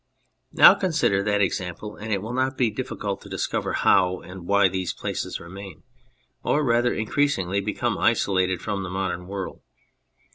Now consider that example and it will not be difficult to discover how and why these places remain, or rather increasingly become, isolated from the modern world.